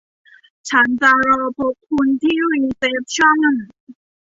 ฉันจะรอพบคุณที่รีเซ็ปชั่น